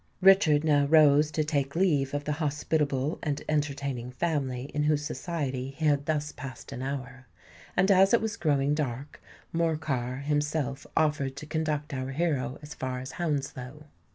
Richard now rose to take leave of the hospitable and entertaining family in whose society he had thus passed an hour; and, as it was growing dark, Morcar himself offered to conduct our hero as far as Hounslow.